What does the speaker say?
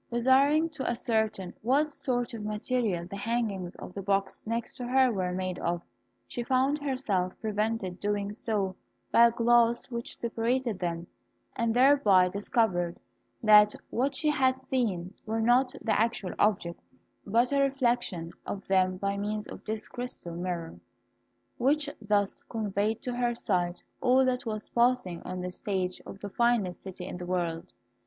Desiring to ascertain what sort of material the hangings of the box next to her were made of, she found herself prevented doing so by a glass which separated them, and thereby discovered that what she had seen were not the actual objects, but a reflection of them by means of this crystal mirror, which thus conveyed to her sight all that was passing on the stage of the finest city in the world.